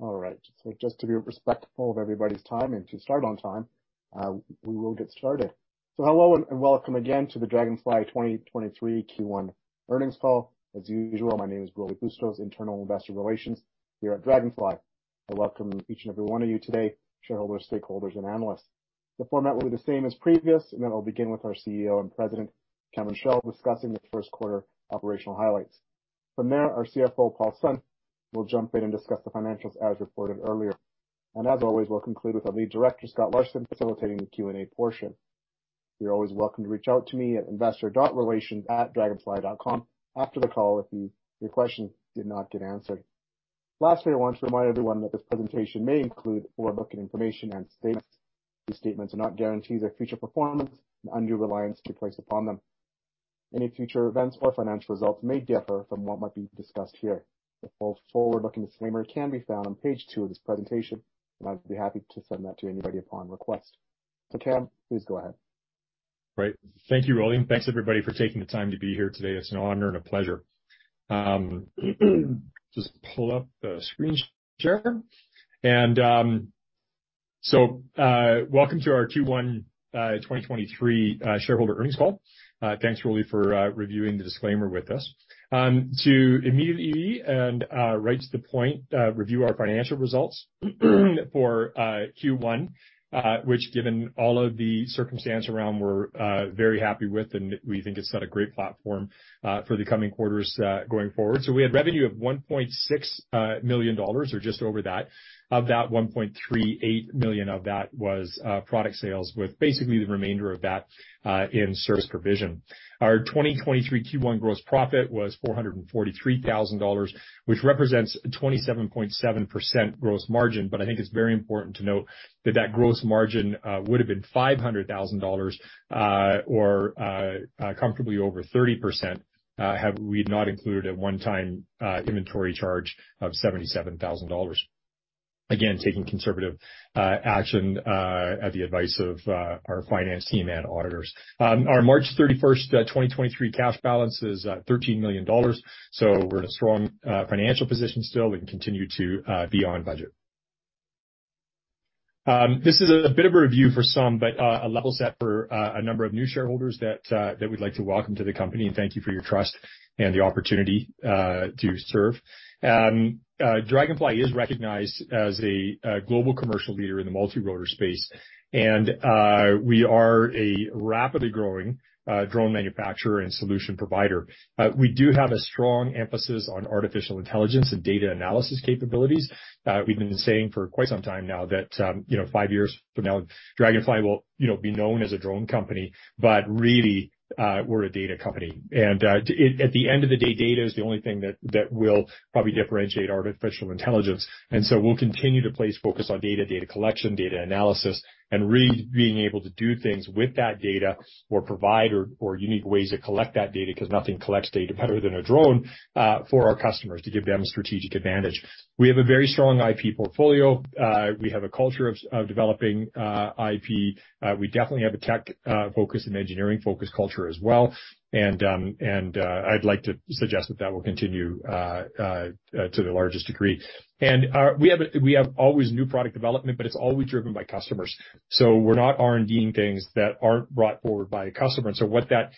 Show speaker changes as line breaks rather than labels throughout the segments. All right. Just to be respectful of everybody's time and to start on time, we will get started. Hello and welcome again to the Draganfly 2023 Q1 earnings call. As usual, my name is Rolly Bustos, internal investor relations here at Draganfly. I welcome each and every one of you today, shareholders, stakeholders, and analysts. The format will be the same as previous, then I'll begin with our CEO and President, Cameron Chell, discussing the first quarter operational highlights. From there, our CFO, Paul Sun, will jump in and discuss the financials as reported earlier. As always, we'll conclude with our Lead Director, Scott Larson, facilitating the Q&A portion. You're always welcome to reach out to me at investor.relations@draganfly.com after the call if your questions did not get answered. Lastly, I want to remind everyone that this presentation may include forward-looking information and statements. These statements are not guarantees of future performance, and undue reliance could place upon them. Any future events or financial results may differ from what might be discussed here. The full forward-looking disclaimer can be found on page two of this presentation, and I'd be happy to send that to anybody upon request. Cam, please go ahead.
Right. Thank you, Rolly. Thanks, everybody, for taking the time to be here today. It's an honor and a pleasure. Just pull up the screen share. Welcome to our Q1 2023 shareholder earnings call. Thanks, Rolly, for reviewing the disclaimer with us. To immediately and right to the point, review our financial results for Q1, which, given all of the circumstance around, we're very happy with, and we think it set a great platform for the coming quarters going forward. We had revenue of $1.6 million or just over that. Of that, $1.38 million of that was product sales, with basically the remainder of that in service provision. Our 2023 Q1 gross profit was $443,000, which represents 27.7% gross margin. I think it's very important to note that that gross margin would've been $500,000, or comfortably over 30%, had we not included a one-time inventory charge of $77,000. Again, taking conservative action at the advice of our finance team and auditors. Our March 31st, 2023 cash balance is $13 million. We're in a strong financial position still. We can continue to be on budget. This is a bit of a review for some, but a level set for a number of new shareholders that we'd like to welcome to the company, and thank you for your trust and the opportunity to serve. Draganfly is recognized as a global commercial leader in the multi-rotor space, we are a rapidly growing drone manufacturer and solution provider. We do have a strong emphasis on artificial intelligence and data analysis capabilities. We've been saying for quite some time now that, you know, 5 years from now, Draganfly will, you know, be known as a drone company, but really, we're a data company. At the end of the day, data is the only thing that will probably differentiate artificial intelligence. We'll continue to place focus on data collection, data analysis, and being able to do things with that data or provide or unique ways to collect that data 'cause nothing collects data better than a drone for our customers to give them a strategic advantage. We have a very strong IP portfolio. We have a culture of developing, IP. We definitely have a tech focus and engineering focus culture as well. I'd like to suggest that that will continue to the largest degree. We have always new product development, but it's always driven by customers. We're not R&D-ing things that aren't brought forward by a customer. What that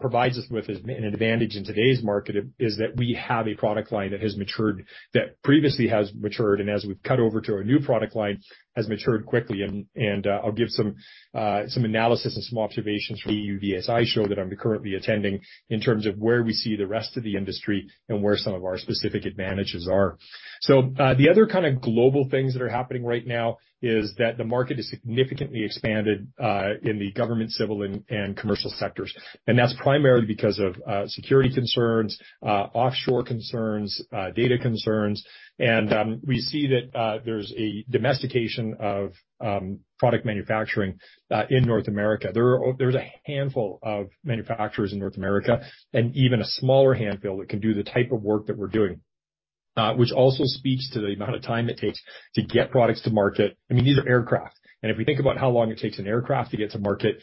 provides us with is an advantage in today's market is that we have a product line that has matured, that previously has matured, and as we've cut over to our new product line, has matured quickly. I'll give some analysis and some observations from the UVSI show that I'm currently attending in terms of where we see the rest of the industry and where some of our specific advantages are. The other kinda global things that are happening right now is that the market has significantly expanded in the government, civil, and commercial sectors. That's primarily because of security concerns, offshore concerns, data concerns. We see that there's a domestication of product manufacturing in North America. There's a handful of manufacturers in North America and even a smaller handful that can do the type of work that we're doing, which also speaks to the amount of time it takes to get products to market. I mean, these are aircraft, if we think about how long it takes an aircraft to get to market,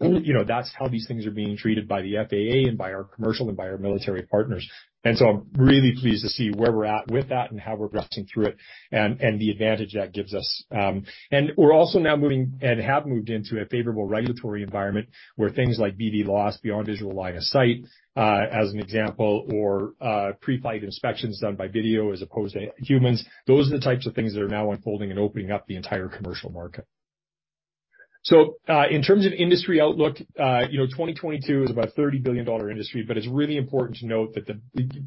you know, that's how these things are being treated by the FAA and by our commercial and by our military partners. I'm really pleased to see where we're at with that and how we're rushing through it and the advantage that gives us. We're also now moving and have moved into a favorable regulatory environment where things like BVLOS, beyond visual line of sight, as an example, or pre-flight inspections done by video as opposed to humans. Those are the types of things that are now unfolding and opening up the entire commercial market. In terms of industry outlook, 2022 is about a $30 billion industry, but it's really important to note that the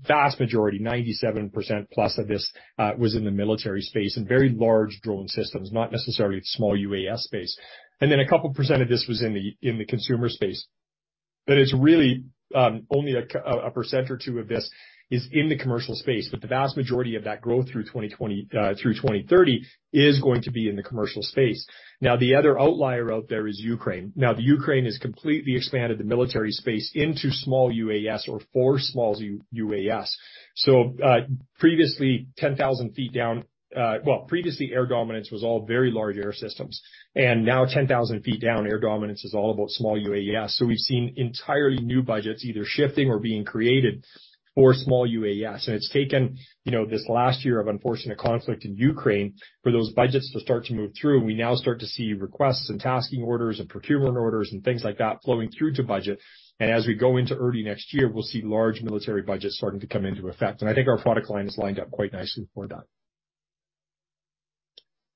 vast majority, 97% plus of this, was in the military space and very large drone systems, not necessarily the small UAS space. A couple percent of this was in the consumer space. But it's really, only a % or two of this is in the commercial space, but the vast majority of that growth through 2020, through 2030 is going to be in the commercial space. The other outlier out there is Ukraine. The Ukraine has completely expanded the military space into small UAS or four small UAS. Previously 10,000 feet down... Well, previously air dominance was all very large air systems, and now 10,000 feet down, air dominance is all about small UAS. We've seen entirely new budgets either shifting or being created for small UAS. It's taken, you know, this last year of unfortunate conflict in Ukraine for those budgets to start to move through. We now start to see requests and tasking orders and procurement orders and things like that flowing through to budget. As we go into early next year, we'll see large military budgets starting to come into effect. I think our product line is lined up quite nicely for that.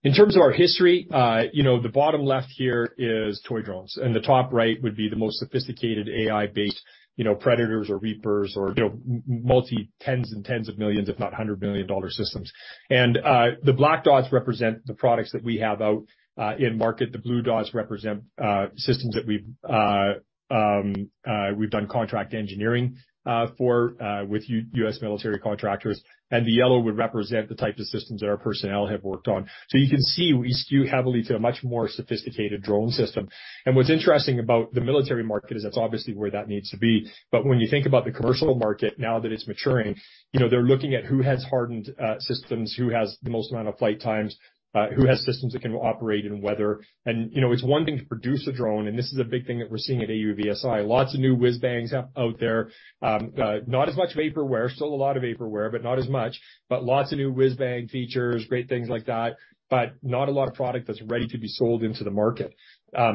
In terms of our history, you know, the bottom left here is toy drones, the top right would be the most sophisticated AI-based, you know, Predators or Reapers or, you know, tens and tens of millions, if not $100 million systems. The black dots represent the products that we have out in market. The blue dots represent systems that we've done contract engineering for with U.S. military contractors. The yellow would represent the types of systems that our personnel have worked on. You can see we skew heavily to a much more sophisticated drone system. What's interesting about the military market is that's obviously where that needs to be. When you think about the commercial market now that it's maturing, you know, they're looking at who has hardened systems, who has the most amount of flight times, who has systems that can operate in weather. You know, it's one thing to produce a drone, and this is a big thing that we're seeing at AUVSI. Lots of new whiz bangs out there. Not as much vaporware, still a lot of vaporware, but not as much. Lots of new whiz bang features, great things like that, but not a lot of product that's ready to be sold into the market,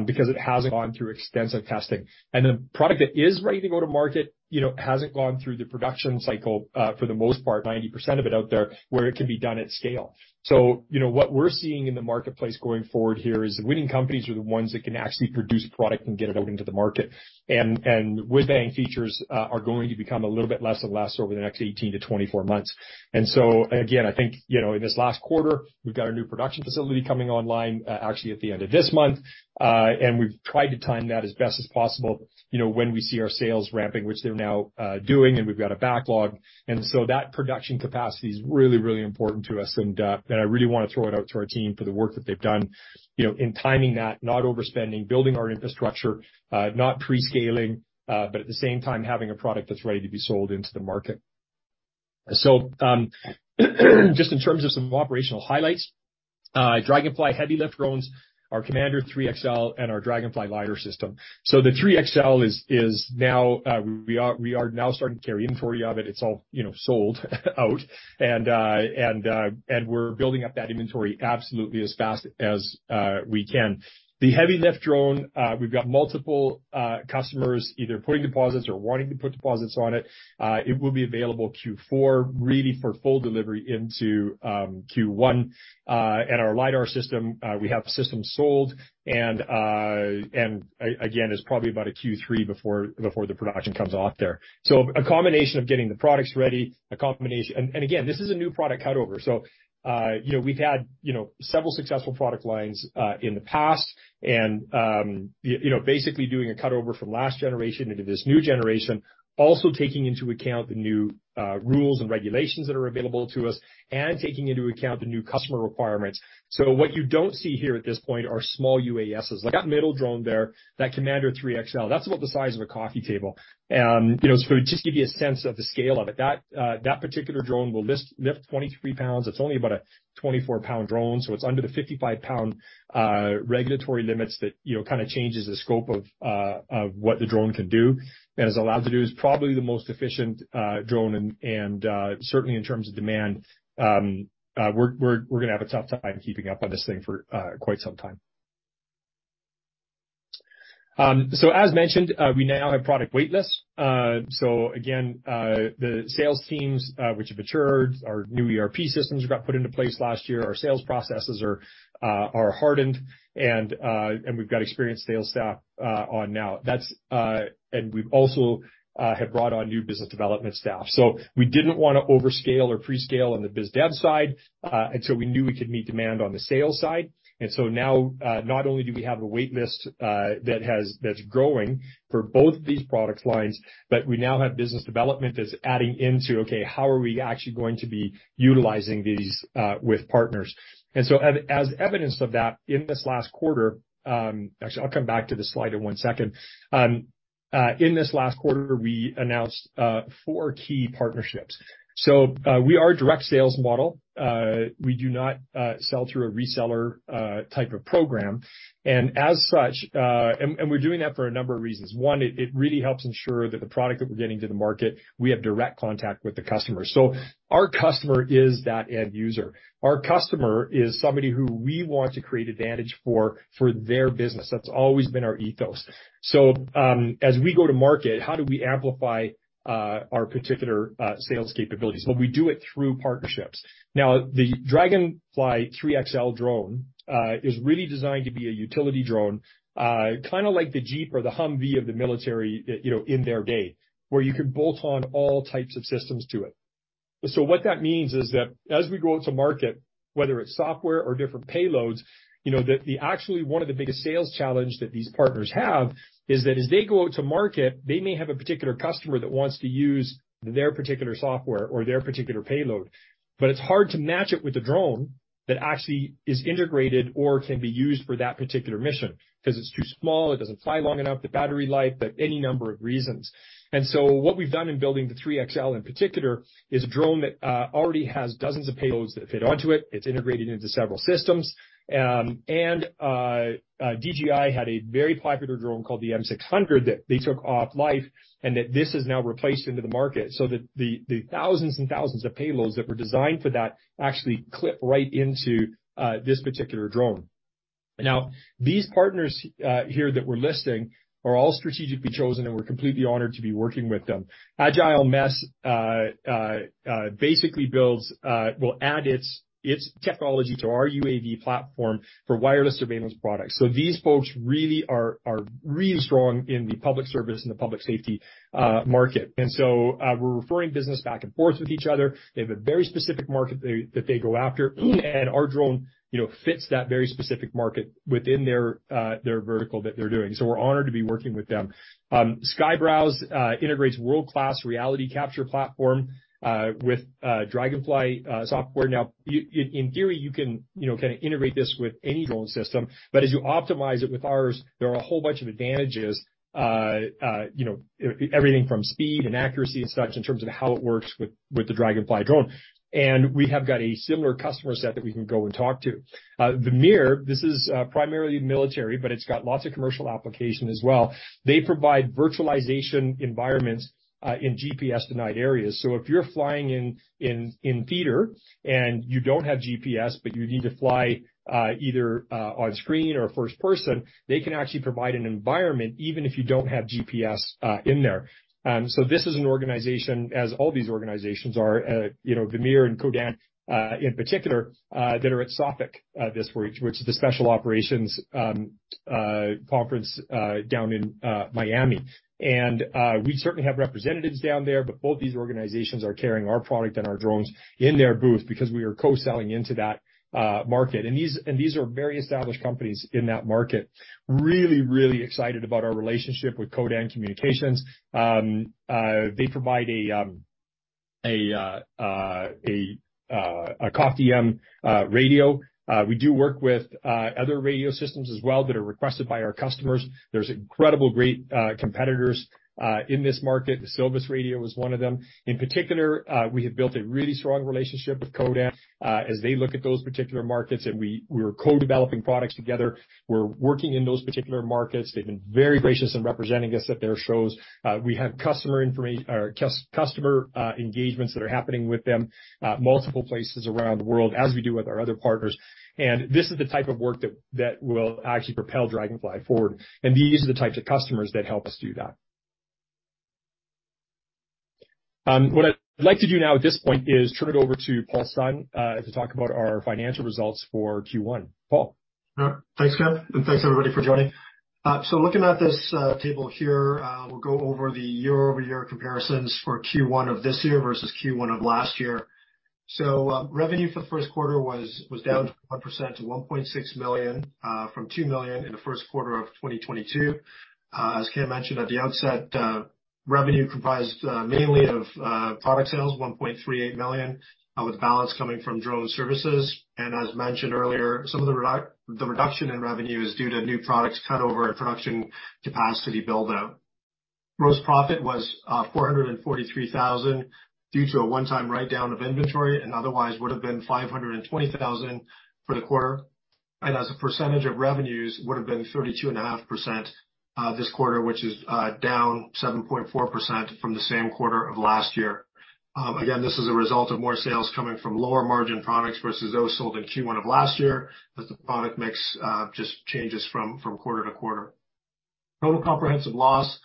because it hasn't gone through extensive testing. The product that is ready to go to market, you know, hasn't gone through the production cycle, for the most part, 90% of it out there, where it can be done at scale. You know, what we're seeing in the marketplace going forward here is the winning companies are the ones that can actually produce product and get it out into the market. Whiz bang features are going to become a little bit less and less over the next 18-24 months. Again, I think, you know, in this last quarter, we've got a new production facility coming online, actually at the end of this month. We've tried to time that as best as possible, you know, when we see our sales ramping, which they're now doing, and we've got a backlog. That production capacity is really, really important to us. I really wanna throw it out to our team for the work that they've done, you know, in timing that, not overspending, building our infrastructure, not pre-scaling, but at the same time having a product that's ready to be sold into the market. Just in terms of some operational highlights, Draganfly heavy lift drones, our Commander 3XL, and our Draganfly LiDAR system. The 3XL is now, we are now starting to carry inventory of it. It's all, you know, sold out. And we're building up that inventory absolutely as fast as we can. The heavy lift drone, we've got multiple customers either putting deposits or wanting to put deposits on it. It will be available Q4, really for full delivery into Q1. Our LiDAR system, we have systems sold and again, it's probably about a Q3 before the production comes off there. A combination of getting the products ready. Again, this is a new product cutover. You know, we've had, you know, several successful product lines in the past and, you know, basically doing a cutover from last generation into this new generation, also taking into account the new rules and regulations that are available to us and taking into account the new customer requirements. What you don't see here at this point are small UASs. Like that middle drone there, that Commander 3XL, that's about the size of a coffee table. You know, to just give you a sense of the scale of it. That particular drone will lift 23 pounds. It's only about a 24 pound drone, so it's under the 55 pound regulatory limits that, you know, kinda changes the scope of what the drone can do and is allowed to do, is probably the most efficient drone and, certainly in terms of demand. We're gonna have a tough time keeping up on this thing for quite some time. As mentioned, we now have product waitlists. Again, the sales teams, which have matured, our new ERP systems got put into place last year. Our sales processes are hardened, and we've got experienced sales staff on now. That's. We've also have brought on new business development staff. We didn't wanna overscale or pre-scale on the biz dev side until we knew we could meet demand on the sales side. Now, not only do we have a waitlist that's growing for both these products lines, but we now have business development that's adding into, okay, how are we actually going to be utilizing these with partners? As, as evidence of that, in this last quarter, Actually, I'll come back to this slide in 1 second. In this last quarter, we announced 4 key partnerships. We are a direct sales model. We do not sell through a reseller type of program. As such, and we're doing that for a number of reasons. It really helps ensure that the product that we're getting to the market, we have direct contact with the customer. Our customer is that end user. Our customer is somebody who we want to create advantage for their business. That's always been our ethos. As we go to market, how do we amplify our particular sales capabilities? Well, we do it through partnerships. The Draganfly 3XL drone is really designed to be a utility drone, kinda like the Jeep or the Humvee of the military, you know, in their day, where you can bolt on all types of systems to it. What that means is that as we go to market, whether it's software or different payloads, you know, actually one of the biggest sales challenge that these partners have is that as they go out to market, they may have a particular customer that wants to use their particular software or their particular payload. It's hard to match it with the drone that actually is integrated or can be used for that particular mission 'cause it's too small, it doesn't fly long enough, the battery life, but any number of reasons. What we've done in building the Commander 3XL in particular is a drone that already has dozens of payloads that fit onto it. It's integrated into several systems. DJI had a very popular drone called the M600 that they took off life, and that this has now replaced into the market, so that the thousands and thousands of payloads that were designed for that actually clip right into this particular drone. Now, these partners here that we're listing are all strategically chosen, and we're completely honored to be working with them. AgileMesh basically builds, will add its technology to our UAV platform for wireless surveillance products. These folks really are really strong in the public service and the public safety market. We're referring business back and forth with each other. They have a very specific market that they go after. Our drone, you know, fits that very specific market within their vertical that they're doing. We're honored to be working with them. SkyeBrowse integrates world-class reality capture platform with Draganfly software. In theory, you can, you know, kinda integrate this with any drone system. As you optimize it with ours, there are a whole bunch of advantages, you know, everything from speed and accuracy and such in terms of how it works with the Draganfly drone. We have got a similar customer set that we can go and talk to. Vermeer, this is primarily military. It's got lots of commercial application as well. They provide virtualization environments in GPS denied areas. If you're flying in theater and you don't have GPS, but you need to fly, either on screen or first person, they can actually provide an environment even if you don't have GPS in there. This is an organization, as all these organizations are, you know, Vermeer and Codan in particular, that are at SOFIC this week, which is the special operations conference down in Miami. We certainly have representatives down there, but both these organizations are carrying our product and our drones in their booth because we are co-selling into that market. These are very established companies in that market. Really excited about our relationship with Codan Communications. They provide a COFDM radio. We do work with other radio systems as well that are requested by our customers. There's incredible great competitors in this market. The Silvus Radio is one of them. In particular, we have built a really strong relationship with Codan as they look at those particular markets, and we're co-developing products together. We're working in those particular markets. They've been very gracious in representing us at their shows. We have customer engagements that are happening with them multiple places around the world, as we do with our other partners. This is the type of work that will actually propel Draganfly forward. These are the types of customers that help us do that. What I'd like to do now at this point is turn it over to Paul Sun, to talk about our financial results for Q1. Paul?
Thanks, Cam, thanks everybody for joining. Looking at this table here, we'll go over the year-over-year comparisons for Q1 of this year versus Q1 of last year. Revenue for the first quarter was down 21% to $1.6 million from $2 million in the first quarter of 2022. As Cam mentioned at the outset, revenue comprised mainly of product sales, $1.38 million, with balance coming from drone services. As mentioned earlier, some of the reduction in revenue is due to new products cut over our production capacity build-out. Gross profit was $443,000 due to a one-time write down of inventory and otherwise would have been $520,000 for the quarter. As a percentage of revenues would have been 32.5% this quarter, which is down 7.4% from the same quarter of last year. Again, this is a result of more sales coming from lower margin products versus those sold in Q1 of last year, as the product mix just changes from quarter to quarter. Total comprehensive loss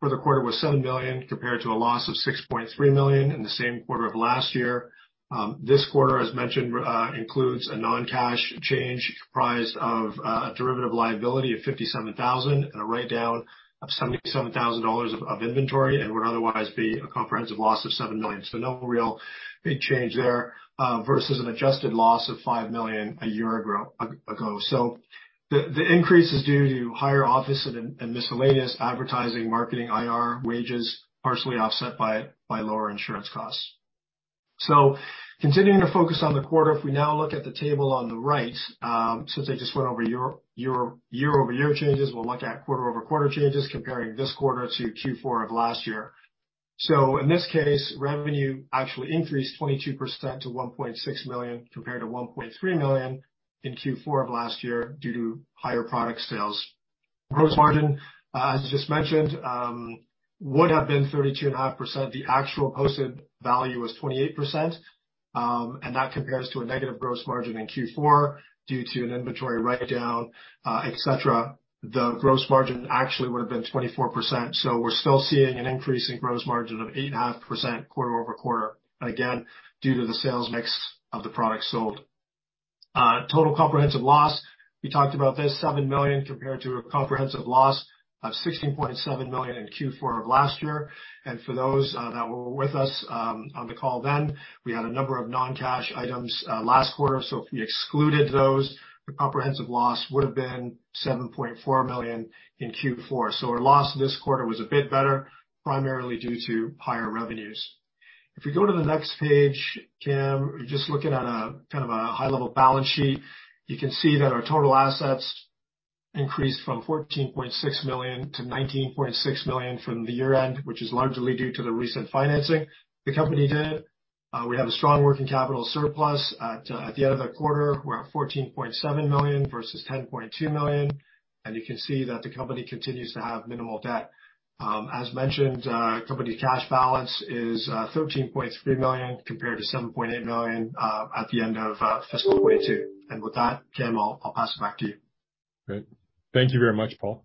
for the quarter was $7 million, compared to a loss of $6.3 million in the same quarter of last year. This quarter, as mentioned, includes a non-cash change comprised of a derivative liability of $57,000 and a write down of $77,000 of inventory and would otherwise be a comprehensive loss of $7 million. No real big change there versus an adjusted loss of $5 million a year ago. The increase is due to higher office and miscellaneous advertising, marketing, IR, wages, partially offset by lower insurance costs. Continuing to focus on the quarter, if we now look at the table on the right, since I just went over year-over-year changes, we'll look at quarter-over-quarter changes comparing this quarter to Q4 of last year. In this case, revenue actually increased 22% to $1.6 million compared to $1.3 million in Q4 of last year due to higher product sales. Gross margin, as just mentioned, would have been 32 and a half percent. The actual posted value was 28%, and that compares to a negative gross margin in Q4 due to an inventory write down, et cetera. The gross margin actually would have been 24%. We're still seeing an increase in gross margin of 8.5% quarter-over-quarter, again, due to the sales mix of the products sold. Total comprehensive loss, we talked about this, $7 million compared to a comprehensive loss of $16.7 million in Q4 of last year. For those that were with us on the call then, we had a number of non-cash items last quarter. If you excluded those, the comprehensive loss would have been $7.4 million in Q4. Our loss this quarter was a bit better, primarily due to higher revenues. If you go to the next page, Cam, you're just looking at a kind of a high-level balance sheet. You can see that our total assets increased from $14.6 million to $19.6 million from the year-end, which is largely due to the recent financing the company did. We have a strong working capital surplus. At the end of the quarter, we're at $14.7 million versus $10.2 million. You can see that the company continues to have minimal debt. As mentioned, company's cash balance is $13.3 million compared to $7.8 million at the end of fiscal 2022. With that, Cam, I'll pass it back to you.
Great. Thank you very much, Paul.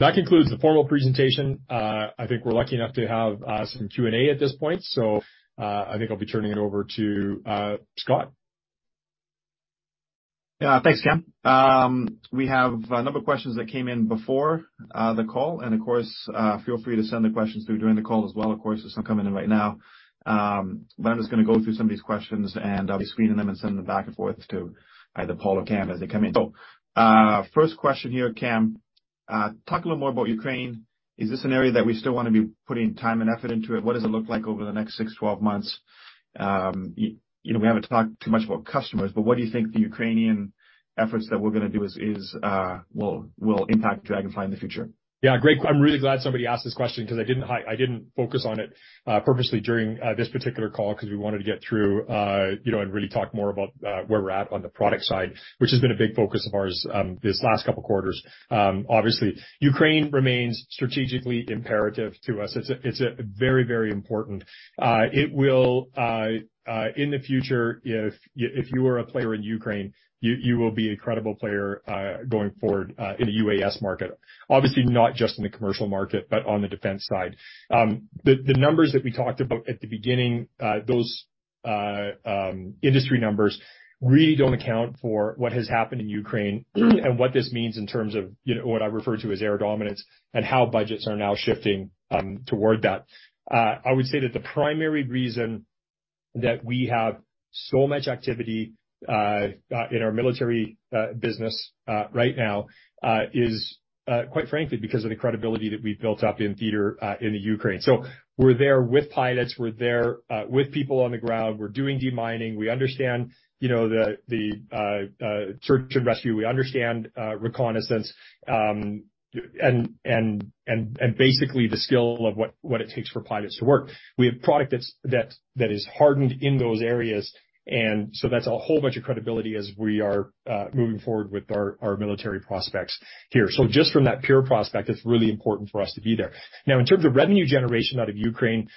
That concludes the formal presentation. I think we're lucky enough to have some Q&A at this point, so I think I'll be turning it over to Scott.
Thanks, Cam. We have a number of questions that came in before the call. Of course, feel free to send the questions through during the call as well. Of course, there's some coming in right now. I'm just gonna go through some of these questions, and I'll be screening them and sending them back and forth to either Paul or Cam as they come in. First question here, Cam. Talk a little more about Ukraine. Is this an area that we still wanna be putting time and effort into it? What does it look like over the next 6, 12 months? You know, we haven't talked too much about customers, but what do you think the Ukrainian efforts that we're gonna do is, will impact Draganfly in the future?
Yeah. Great. I'm really glad somebody asked this question because I didn't focus on it, purposely during this particular call 'cause we wanted to get through, you know, and really talk more about where we're at on the product side, which has been a big focus of ours, these last couple of quarters. Obviously, Ukraine remains strategically imperative to us. It's a, it's very, very important. It will in the future, if you are a player in Ukraine, you will be a credible player going forward in the UAS market. Obviously, not just in the commercial market, but on the defense side. The numbers that we talked about at the beginning, those industry numbers really don't account for what has happened in Ukraine and what this means in terms of, you know, what I refer to as air dominance and how budgets are now shifting toward that. I would say that the primary reason that we have so much activity in our military business right now is quite frankly, because of the credibility that we've built up in theater in the Ukraine. We're there with pilots. We're there with people on the ground. We're doing de-mining. We understand, you know, the search and rescue. We understand reconnaissance. Basically the skill of what it takes for pilots to work. We have product that's that is hardened in those areas. That's a whole bunch of credibility as we are moving forward with our military prospects here. Just from that pure prospect, it's really important for us to be there. In terms of revenue generation out of Ukraine,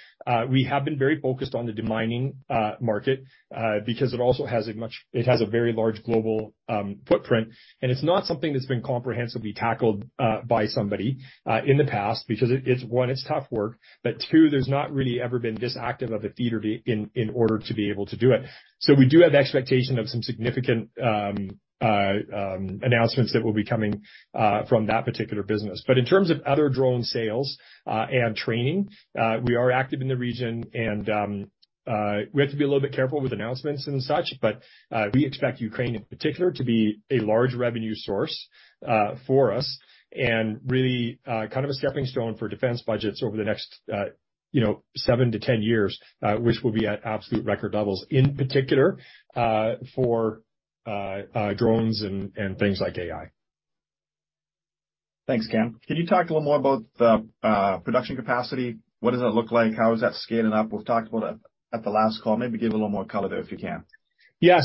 we have been very focused on the de-mining market, because it also has a much it has a very large global footprint. It's not something that's been comprehensively tackled by somebody in the past because it's, one, it's tough work, but two, there's not really ever been this active of a theater in order to be able to do it. We do have expectation of some significant announcements that will be coming from that particular business. In terms of other drone sales, and training, we are active in the region and, we have to be a little bit careful with announcements and such, but, we expect Ukraine in particular to be a large revenue source, for us and really, kind of a stepping stone for defense budgets over the next, you know, 7-10 years, which will be at absolute record levels, in particular, for, drones and things like AI.
Thanks, Cam. Can you talk a little more about the production capacity? What does that look like? How is that scaling up? We've talked about it at the last call. Maybe give a little more color there if you can.
Yeah.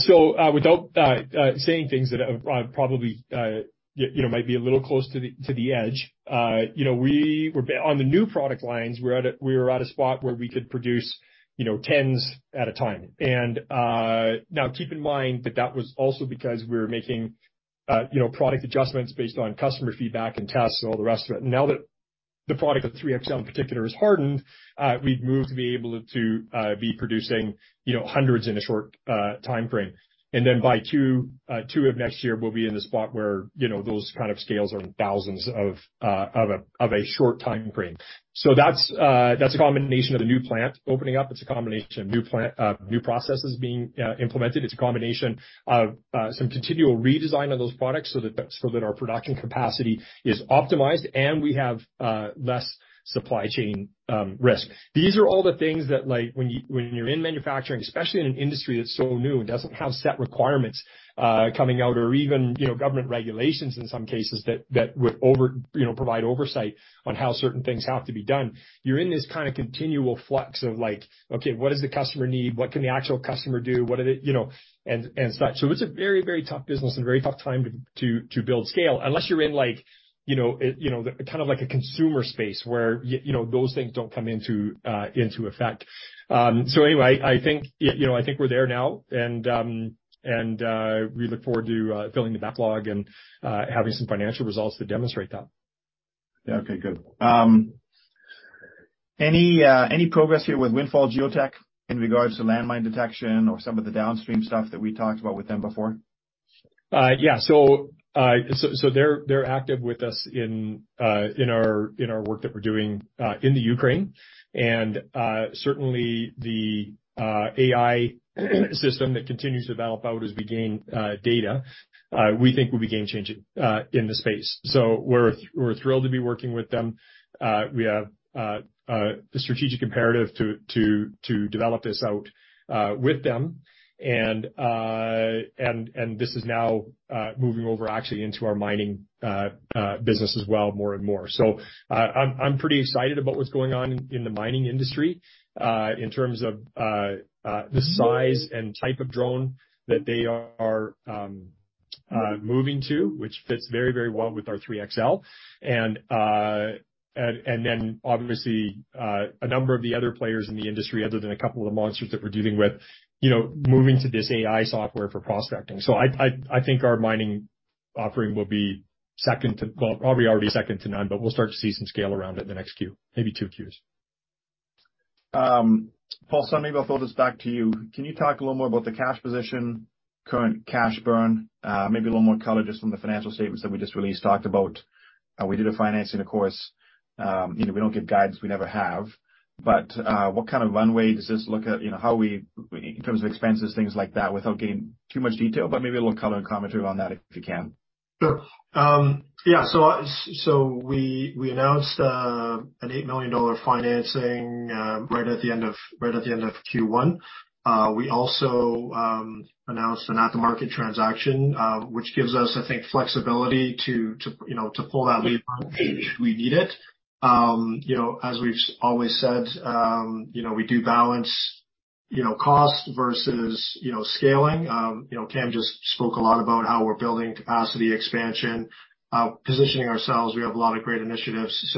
Without saying things that are probably, you know, might be a little close to the edge, you know, we were on the new product lines, we were at a spot where we could produce, you know, 10s at a time. Now keep in mind that that was also because we were making, you know, product adjustments based on customer feedback and tests and all the rest of it. Now that the product, the 3XL in particular, is hardened, we've moved to be able to be producing, you know, 100s in a short timeframe. Then by 2 of next year, we'll be in the spot where, you know, those kind of scales are in 1,000s of a short timeframe. That's a combination of the new plant opening up. It's a combination of new plant, new processes being implemented. It's a combination of some continual redesign of those products so that, so that our production capacity is optimized and we have less supply chain risk. These are all the things that, like, when you, when you're in manufacturing, especially in an industry that's so new and doesn't have set requirements, coming out or even, you know, government regulations in some cases that would over, you know, provide oversight on how certain things have to be done, you're in this kind of continual flux of, like, okay, what does the customer need? What can the actual customer do? you know, and such. It's a very tough business and a very tough time to build scale unless you're in like, you know, kind of like a consumer space where you know, those things don't come into effect. Anyway, I think, you know, I think we're there now and we look forward to filling the backlog and having some financial results to demonstrate that.
Yeah. Okay. Good. Any progress here with Windfall Geotek in regards to landmine detection or some of the downstream stuff that we talked about with them before?
Yeah. So they're active with us in our work that we're doing in the Ukraine. Certainly the AI system that continues to develop out as we gain data, we think will be game-changing in the space. We're thrilled to be working with them. We have the strategic imperative to develop this out with them. And this is now moving over actually into our mining business as well more and more. I'm pretty excited about what's going on in the mining industry in terms of the size and type of drone that they are moving to, which fits very, very well with our 3XL. obviously, a number of the other players in the industry, other than a couple of the monsters that we're dealing with, you know, moving to this AI software for prospecting. I think our mining offering will be second to none. Well, probably already second to none, but we'll start to see some scale around it in the next Q, maybe 2 Qs.
Paul, maybe I'll throw this back to you. Can you talk a little more about the cash position, current cash burn? Maybe a little more color just on the financial statements that we just released, talked about how we did a financing, of course. You know, we don't give guidance, we never have. What kind of runway does this look at, you know, how we, in terms of expenses, things like that, without getting too much detail, but maybe a little color and commentary on that if you can?
Sure. Yeah. We announced an $8 million financing right at the end of, right at the end of Q1. We also announced an at-the-market transaction, which gives us, I think, flexibility to, you know, to pull that lever if we need it. You know, as we've always said, you know, we do balance, you know, cost versus, you know, scaling. You know, Cam just spoke a lot about how we're building capacity expansion, positioning ourselves. We have a lot of great initiatives.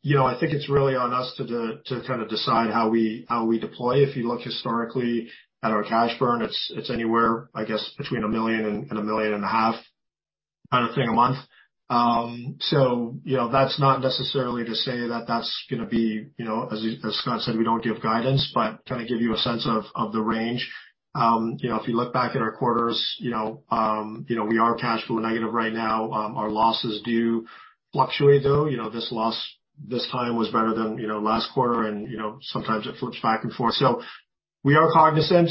You know, I think it's really on us to kind of decide how we, how we deploy. If you look historically at our cash burn, it's anywhere, I guess, between $1 million and $1.5 million kind of thing a month. You know, that's not necessarily to say that that's gonna be, you know, as Scott said, we don't give guidance, but trying to give you a sense of the range. You know, if you look back at our quarters, you know, we are cash flow negative right now. Our losses do fluctuate, though. You know, this loss this time was better than, you know, last quarter and, you know, sometimes it flips back and forth. We are cognizant.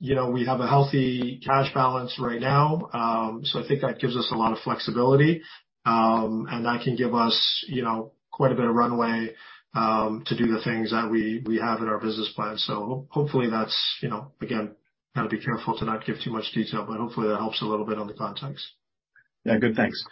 You know, we have a healthy cash balance right now. I think that gives us a lot of flexibility. That can give us, you know, quite a bit of runway to do the things that we have in our business plan. Hopefully that's, you know, again, gotta be careful to not give too much detail, but hopefully that helps a little bit on the context.
Yeah. Good. Thanks.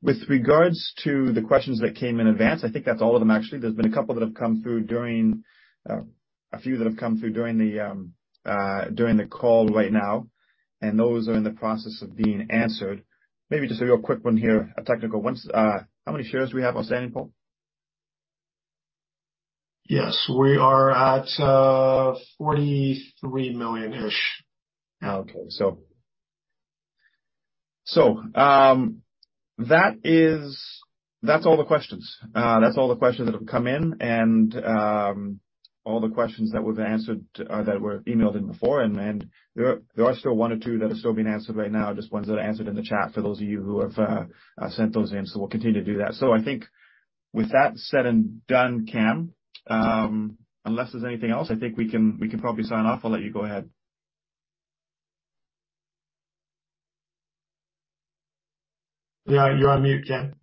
With regards to the questions that came in advance, I think that's all of them, actually. There's been a couple that have come through during, a few that have come through during the call right now, and those are in the process of being answered. Maybe just a real quick one here, a technical one. How many shares do we have outstanding, Paul?
Yes. We are at, $43 million-ish.
Okay. That's all the questions. That's all the questions that have come in and all the questions that we've answered that were emailed in before. There are still one or two that are still being answered right now, just ones that are answered in the chat for those of you who have sent those in. We'll continue to do that. I think with that said and done, Cam, unless there's anything else, I think we can probably sign off. I'll let you go ahead.
Yeah. You're on mute, Cam.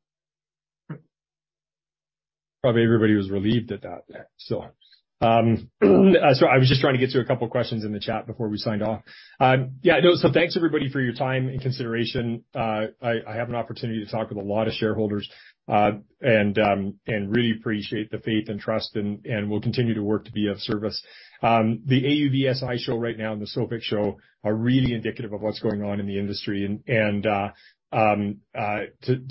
Probably everybody was relieved at that. I was just trying to get to 2 questions in the chat before we signed off. Yeah. No, thanks, everybody, for your time and consideration. I have an opportunity to talk with a lot of shareholders, and really appreciate the faith and trust and we'll continue to work to be of service. The AUVSI show right now and the SOFIC show are really indicative of what's going on in the industry. To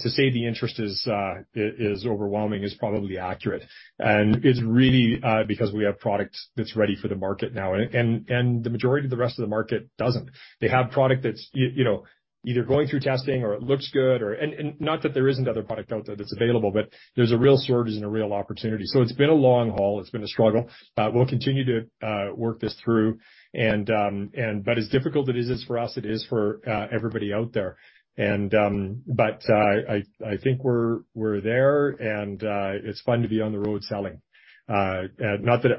say the interest is overwhelming is probably accurate. It's really because we have product that's ready for the market now and the majority of the rest of the market doesn't. They have product that's you know, either going through testing or it looks good or... Not that there isn't other product out there that's available, but there's a real surge and a real opportunity. It's been a long haul. It's been a struggle. We'll continue to work this through. As difficult it is for us, it is for everybody out there. I think we're there and it's fun to be on the road selling. I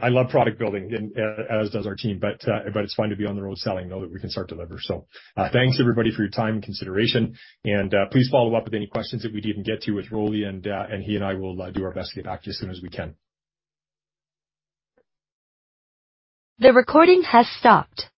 love product building and as does our team. It's fun to be on the road selling, know that we can start deliver. Thanks everybody for your time and consideration. Please follow up with any questions that we didn't get to with Roly and he and I will do our best to get back to you as soon as we can. The recording has stopped.